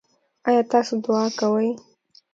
ایا تاسو دعا کوئ؟